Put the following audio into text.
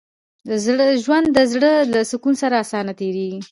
ژوند د زړه له سکون سره اسانه تېرېږي.